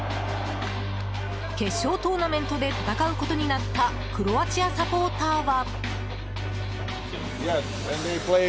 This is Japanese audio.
決勝トーナメントで戦うことになったクロアチアサポーターは。